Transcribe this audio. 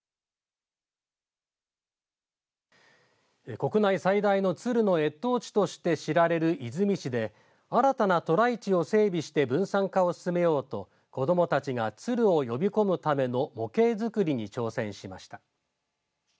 国内最大のツルの越冬地として知られる出水市で新たな渡来地を整備して分散化を進めようと子どもたちがツルを呼び込むための模型づくりに挑戦しました。